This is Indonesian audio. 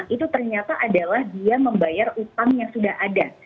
itu ternyata adalah dia membayar utang yang sudah ada